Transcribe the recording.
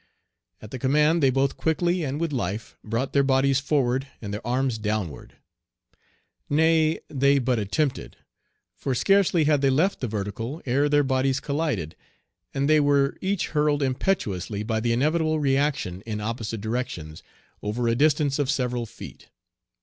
At the command they both quickly, and "with life" brought their bodies forward and their arms downward; nay, they but attempted, for scarcely had they left the vertical ere their bodies collided, and they were each hurled impetuously, by the inevitable reaction in opposite directions, over a distance of several feet.